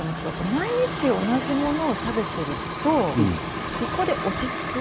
毎日、同じものを食べているとそこで落ち着く。